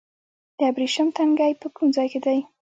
د ابریشم تنګی په کوم ځای کې دی؟